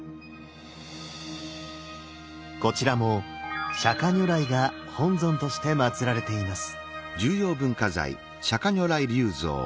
こちらも釈如来が本尊としてまつられています。